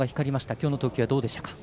今日の投球いかがでしたか。